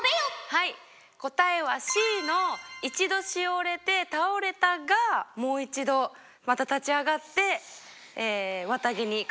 はい答えはＣの一度しおれて倒れたがもう一度また立ち上がって綿毛に変わる。